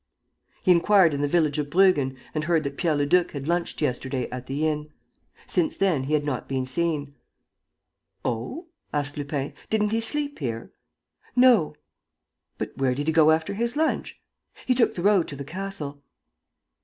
He inquired in the village of Bruggen and heard that Pierre Leduc had lunched yesterday at the inn. Since then, he had not been seen. "Oh?" asked Lupin. "Didn't he sleep here?" "No." "But where did he go after his lunch?" "He took the road to the castle."